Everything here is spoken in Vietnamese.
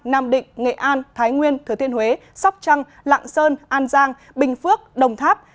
nam định nghệ an thái nguyên thừa thiên huế sóc trăng lạng sơn an giang bình phước đồng tháp